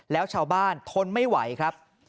แล้วชาวบ้านทนไม่ไหวครับ